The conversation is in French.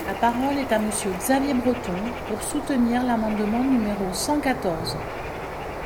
La parole est à Monsieur Xavier Breton, pour soutenir l’amendement numéro cent quatorze.